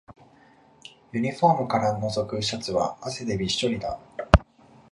ユニフォームからのぞくシャツは汗でびっしょりだ